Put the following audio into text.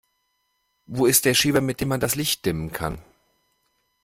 Wo ist der Schieber, mit dem man das Licht dimmen kann?